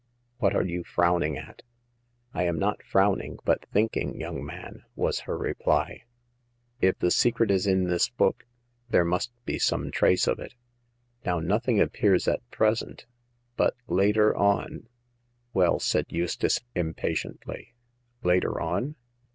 What are you frowning at ?"" I am not frowning, but thinking, young man," was her reply. " If the secret is in this book, there must be some trace of it. Now, nothing appears at present, but later on "Well," said Eustace, impatiently, later on